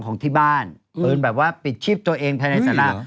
ของที่บ้านปืนแบบว่าปิดชีพตัวเองภายในสาระ